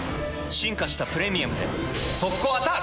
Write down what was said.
進化した「プレミアム」で速攻アタック！